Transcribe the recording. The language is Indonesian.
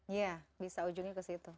iya bisa ujungnya ke situ